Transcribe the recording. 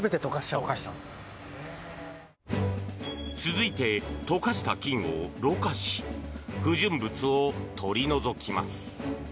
続いて、溶かした金をろ過し不純物を取り除きます。